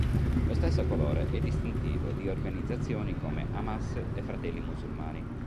Lo stesso colore è distintivo di organizzazioni come Hamas e Fratelli Musulmani.